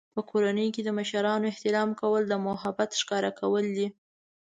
په کورنۍ کې د مشرانو احترام کول د محبت ښکاره کول دي.